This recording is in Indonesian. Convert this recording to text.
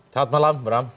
selamat malam bram